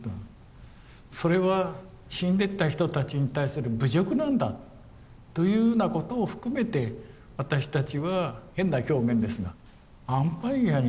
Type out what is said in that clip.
それは死んでった人たちに対する侮辱なんだというふうなことを含めて私たちは変な表現ですがアンパイアにならなきゃいけない。